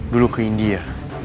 dulu ke india